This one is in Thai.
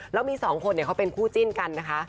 แล้วมีสองคนเขาเป็นคู่จิ้นกันนะคะ